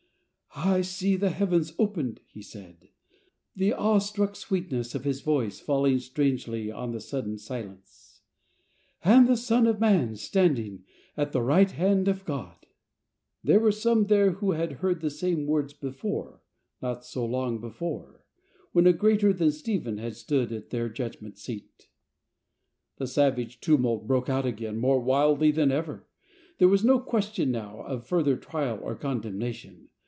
"I see the Heavens opened," he said, the awestruck sweetness of his voice falling strangely on the sudden silence, " and the Son of Man standing at the right hand of God," " AGAINST THE GOAD " 13 There were some there who had heard the same words before — not so long before — when a greater than Stephen had stood at their judgment seat. The savage tumult broke out again more wildly than ever. There was no question now of further trial or condemnation.